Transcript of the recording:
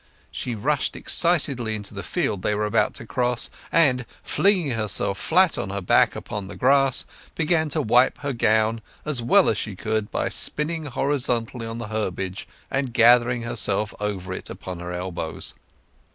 She rushed excitedly into the field they were about to cross, and flinging herself flat on her back upon the grass, began to wipe her gown as well as she could by spinning horizontally on the herbage and dragging herself over it upon her elbows.